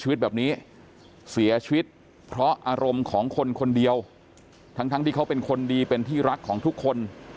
ชีวิตแบบนี้เสียชีวิตเพราะอารมณ์ของคนคนเดียวทั้งทั้งที่เขาเป็นคนดีเป็นที่รักของทุกคน